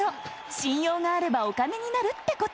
しんようがあればお金になるってこと。